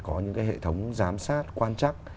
có những cái hệ thống giám sát quan trắc